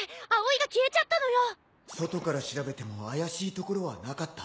外から調べても怪しいところはなかった。